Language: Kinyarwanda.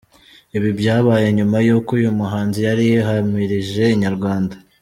Ibi byabaye nyuma y’uko uyu muhanzi yari yahamirije Inyarwanda.